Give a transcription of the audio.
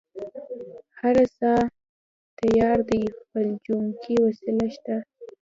هره څه تيار دي فلجوونکې وسله شته.